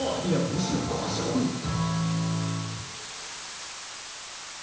いやむしろ賢い？